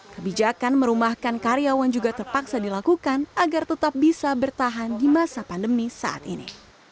kebijakan merumahkan karyawan juga terpaksa dilakukan agar tetap bisa bertahan di masa pandemi saat ini